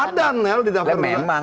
ada nel di daftar gugatan